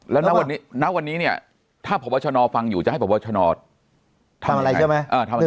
แล้วณวันนี้ณวันนี้เนี่ยถ้าพบชนฟังอยู่จะให้พบชนทำอะไรใช่ไหม